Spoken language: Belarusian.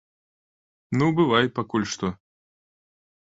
Ну, бывай пакуль што.